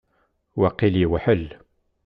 Waqil yewḥel.